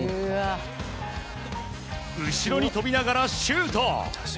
後ろに跳びながらシュート！